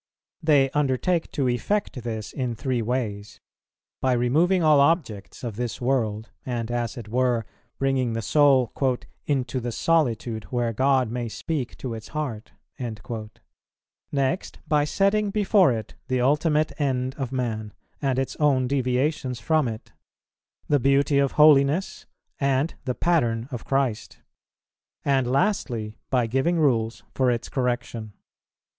They undertake to effect this in three ways; by removing all objects of this world, and, as it were, bringing the soul "into the solitude where God may speak to its heart;" next, by setting before it the ultimate end of man, and its own deviations from it, the beauty of holiness, and the pattern of Christ; and, lastly, by giving rules for its correction.